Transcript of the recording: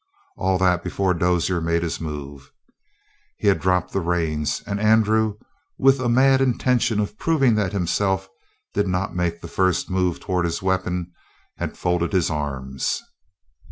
All that before Dozier made his move. He had dropped the reins, and Andrew, with a mad intention of proving that he himself did not make the first move toward his weapon, had folded his arms.